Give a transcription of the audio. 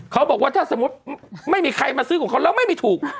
เขาบอกว่าถ้าสมมุติไม่มีใครมาซื้อของเขาแล้วไม่มีถูก